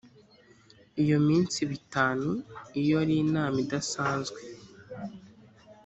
iyo minsi iba itanu iyo ari inama idasanzwe